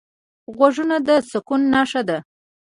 غوږونه د سکون نښه ده